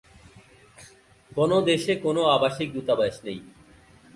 কোনও দেশে কোনও আবাসিক দূতাবাস নেই।